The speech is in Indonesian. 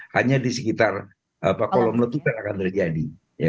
hanya di sekitar kolom letupan akan terjadi